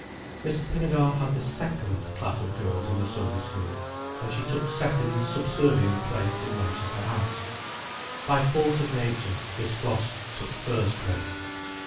Miss Pinnegar had the second class of girls in the Sunday School, and she took second, subservient place in Manchester House. By force of nature, Miss Frost took first place.